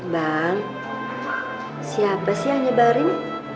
bang siapa sih yang nyebarin